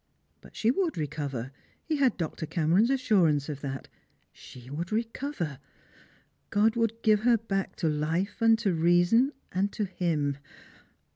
But she would recover— he had Dr. Cameron's assurance of that. She would recover. God would give her back to life and reason, and to him.